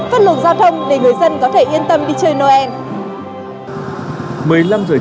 phân luồng giao thông để người dân có thể yên tâm đi chơi noel